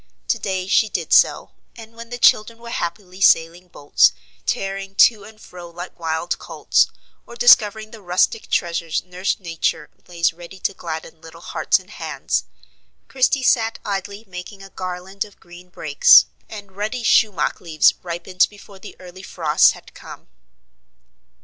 To day she did so; and when the children were happily sailing boats, tearing to and fro like wild colts, or discovering the rustic treasures Nurse Nature lays ready to gladden little hearts and hands, Christie sat idly making a garland of green brakes, and ruddy sumach leaves ripened before the early frosts had come. [Illustration: A FRIENDLY CHAT.